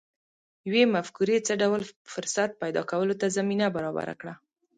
یوې مفکورې څه ډول فرصت پیدا کولو ته زمینه برابره کړه